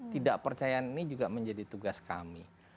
tidak percayaan ini juga menjadi tugas kami